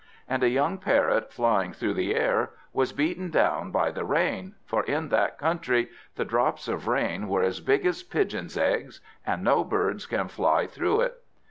And a young Parrot flying through the air, was beaten down by the rain; for in that country the drops of rain are as big as pigeons' eggs, and no birds can fly through it.